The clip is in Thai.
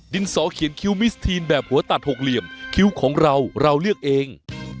สอเขียนคิ้วมิสทีนแบบหัวตัดหกเหลี่ยมคิ้วของเราเราเลือกเอง